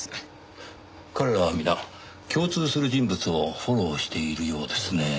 彼らは皆共通する人物をフォローしているようですねぇ。